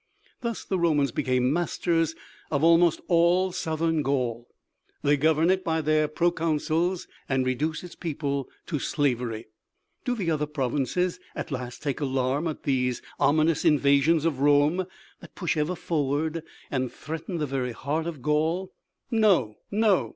Thus the Romans became masters of almost all southern Gaul; they govern it by their proconsuls and reduce its people to slavery. Do the other provinces at last take alarm at these ominous invasions of Rome that push ever forward and threaten the very heart of Gaul? No! No!